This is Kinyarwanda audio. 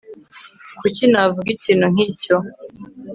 kuki navuga ikintu nkicyo